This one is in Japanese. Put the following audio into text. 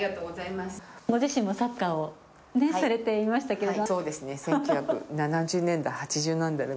ご自身もサッカーをされていましたけど。